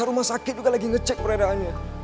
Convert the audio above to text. rumah sakit juga lagi ngecek peredarannya